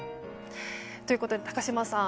ということで、高島さん